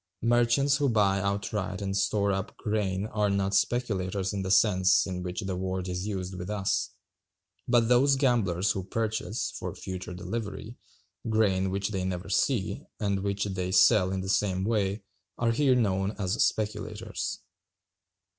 Merchants who buy outright and store up grain are not speculators in the sense in which the word is used with us; but those gamblers who purchase, "for future delivery," grain which they never see, and which they sell in the same way, are here known as speculators.